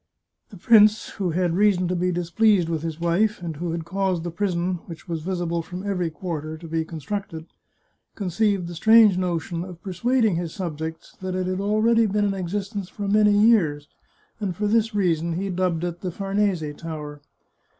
The prince, who had reason to be displeased with his wife, and who had caused the prison, which was visible from every quarter, to be constructed, conceived the strange no tion of persuading his subjects that it had already been in existence for many years, and for this reason he dubbed it the Farnese Tower.